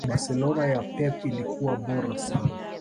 Barcelona ya Pep ilikuwa bora sana